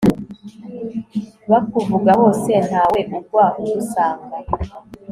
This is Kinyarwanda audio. bakuvuga hose, ntawe ugwa agusanga